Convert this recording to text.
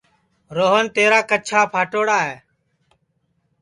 روہن تیرا کچھا پھاٹوڑا ہے